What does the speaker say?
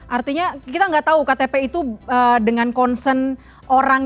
artinya kita nggak tahu ktp itu dengan concern orang